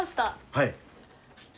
はい。